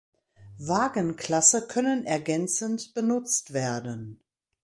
Wagenklasse können ergänzend benutzt werden.